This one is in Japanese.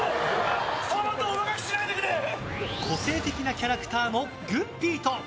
個性的なキャラクターのぐんぴぃと。